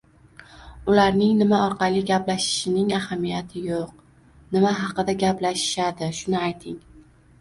— Ularning nima orqali gaplashishining ahamiyati yo’q, nima haqda gaplashishadi – shuni ayting.